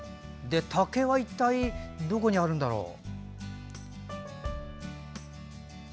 竹は一体どこにあるんだろう？